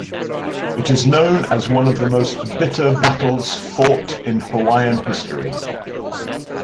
It is known as one of the most bitter battles fought in Hawaiian history.